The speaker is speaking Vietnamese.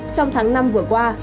trong tháng năm vừa qua